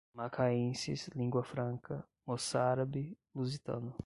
macaenses, língua franca, moçárabe-lusitano